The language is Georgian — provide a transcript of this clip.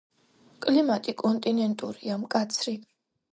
კლიმატი კონტინენტურია, მკაცრი.